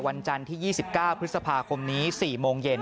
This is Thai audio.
วันจันทร์ที่๒๙พฤษภาคมนี้๔โมงเย็น